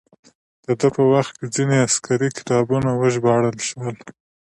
د ده په وخت کې ځینې عسکري کتابونه وژباړل شول.